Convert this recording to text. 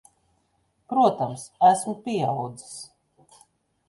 Protams. Esmu pieaudzis.